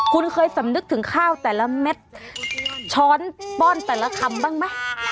คุณเคยสำนึกถึงข้าวแต่ละเม็ดช้อนป้อนแต่ละคำบ้างไหม